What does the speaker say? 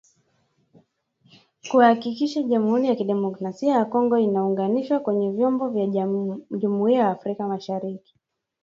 Kuhakikisha Jamhuri ya kidemokrasia ya Kongo inaunganishwa kwenye vyombo vya Jumuiya ya Afrika Mashariki.